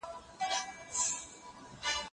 زه اوس کتابونه لولم،